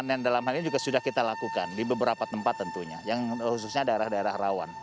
pengamanan dalam hal ini juga sudah kita lakukan di beberapa tempat tentunya yang khususnya daerah daerah rawan